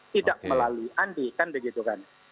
tidak melalui andi kan begitu kan